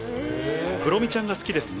クロミちゃんが好きです。